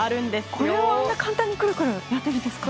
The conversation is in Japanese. これをあんな簡単にクルクルやってるんですか？